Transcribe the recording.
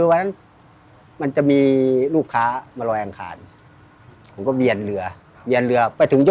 แล้วไงค่ะต้องลดไปแล้วไงต่อเอง